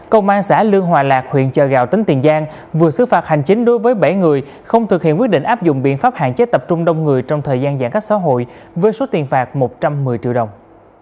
công an xã lương hòa lạc huyện chợ gạo tỉnh tiền giang vừa xứ phạt hành chính đối với bảy người không thực hiện quyết định áp dụng biện pháp hạn chế tập trung đông người trong thời gian giãn cách xã hội với số tiền phạt một trăm một mươi triệu đồng